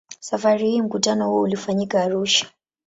Safari hii mkutano huo ulifanyika Arusha.